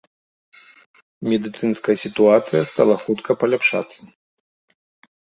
Медыцынская сітуацыя стала хутка паляпшацца.